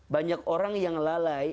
banyak orang yang lalai